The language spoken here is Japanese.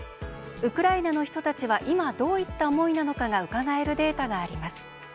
ウクライナの人たちは今、どういった思いなのかがうかがえるデータがあります。